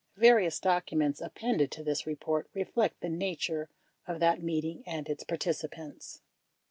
Various documents appended to this report reflect the nature of that meeting and its participants.